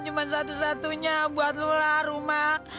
cuma satu satunya buat lu lah rumah